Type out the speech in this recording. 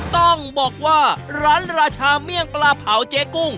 ต้องบอกว่าร้านราชาเมี่ยงปลาเผาเจ๊กุ้ง